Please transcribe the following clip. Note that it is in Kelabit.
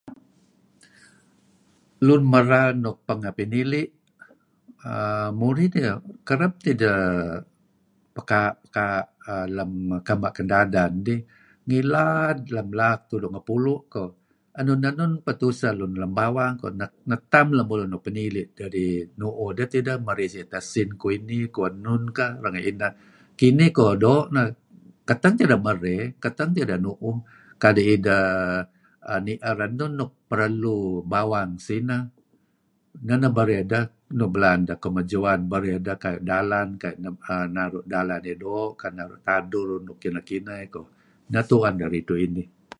Lun merar nuk pengeh pinili' err murih tideh kereb tideh pakaa'-pekaa' lem kema' ken dadan dih. Ngilad lem laak tudu' ngepulu' koh enun-enun peh tusen lun lem bawang 'an koh netam lemulun nuk pinili' dedih tideh nu'uh deh, merey si'it esin kuh inih, kuh enun kah renga' ineh. Kinih keh doo' neh keteng tideh merey keteng tideh nu'uh kadi' ideh ni'er enun nuk perlu bawang sineh, neh -neh berey deh nuk belaan deh kemajuan berey deh kayu' dalan, naru' dalan dih doo', naru' tadur nuk kineh-kineh koh, neh tu'en deh ridtu' inih.